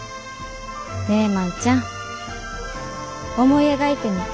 ねえ万ちゃん思い描いてみて。